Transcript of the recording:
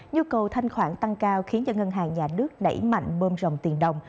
nhu cầu thanh khoản tăng cao khiến cho ngân hàng nhà nước đẩy mạnh bơm dòng tiền đồng